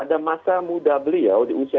pada masa muda berada di indonesia